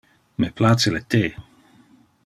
Me place le the.